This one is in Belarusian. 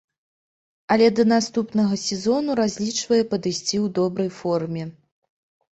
Але да наступнага сезону разлічвае падысці ў добрай форме.